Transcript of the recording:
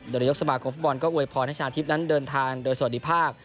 โดยนายกสมาคมฟุตบอลก็อวยพรให้ชนะทิพย์นั้นเดินทางโดยสวัสดีภาพ